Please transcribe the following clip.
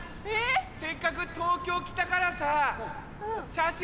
せっかく東京来たからさ。